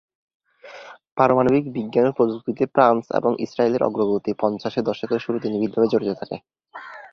পারমাণবিক বিজ্ঞান ও প্রযুক্তিতে ফ্রান্স এবং ইসরায়েলের অগ্রগতি পঞ্চাশের দশকের শুরুতে নিবিড়ভাবে জড়িত থাকে।